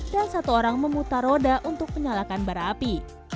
dan satu orang memutar roda untuk menyalakan barang api